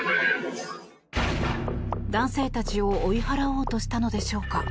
男性たちを追い払おうとしたのでしょうか。